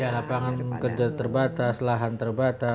lapangan kerja terbatas lahan terbatas